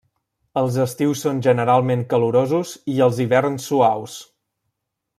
Els estius són generalment calorosos i els hiverns suaus.